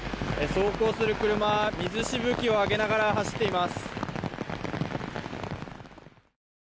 走行する車は水しぶきを上げながら走っています。